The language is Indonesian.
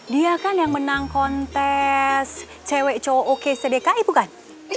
dia kan yang menang kontes cewek cowok sdki bukan